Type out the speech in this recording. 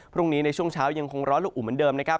ในช่วงเช้ายังคงร้อนลูกอุ่นเหมือนเดิมนะครับ